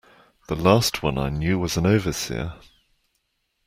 The last one I knew was an overseer.